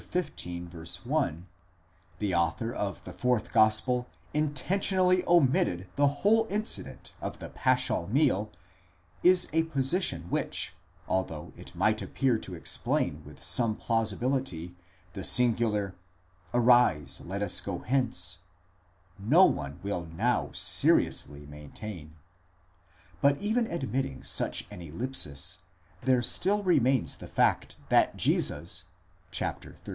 1 the author of the fourth gospel intentionally omitted the whole incident of the paschal meal, is a position which, although it might appear to explain with some plausibility the singular ἐγείρεσθε, ἄγωμεν ἐντεῦθεν, Arise, let us go hence, no one will now seriously maintain. But even admitting such an ellipsis, there still remains the fact that Jesus (xiii.